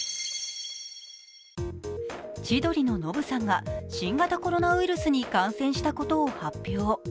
千鳥のノブさんが新型コロナウイルスに感染したことを発表。